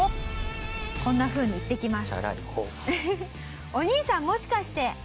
こんなふうに言ってきます。